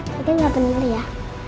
tadi gak bener ya